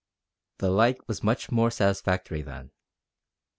The light was much more satisfactory then.